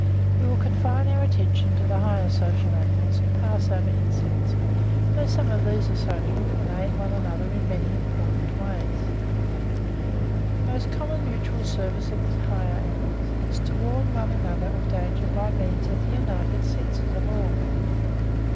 We will confine our attention to the higher social animals; and pass over insects, although some of these are social, and aid one another in many important ways. The most common mutual service in the higher animals is to warn one another of danger by means of the united senses of all.